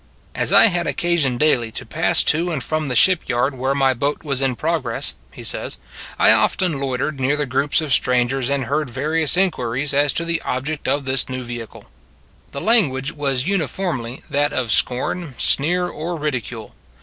As I had occasion daily to pass to and from the ship yard where my boat was in progress [he 8o It s a Good Old World says], I often loitered near the groups of strangers, and heard various inquiries as to the object of this new vehicle. The language was uniformly that of scorn, sneer, or ridicule.